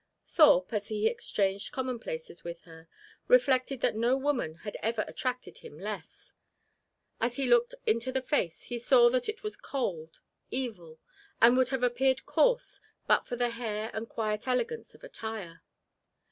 Thorpe, as he exchanged commonplaces with her, reflected that no woman had ever attracted him less. As he looked into the face he saw that it was cold, evil, and would have appeared coarse but for the hair and quiet elegance of attire.